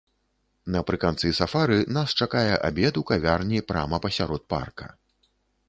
Напрыканцы сафары нас чакае абед у кавярні прама пасярод парка.